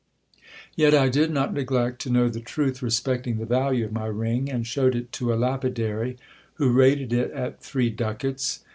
Vet I did not neglect to know the truth respecting the value of my ring, and showed it to a lapidary, who rated it at three ducats.